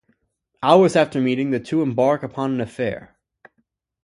Hours after meeting, the two embark upon an affair.